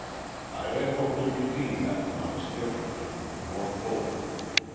'' I had hoped to redeem that promise differently and more fully.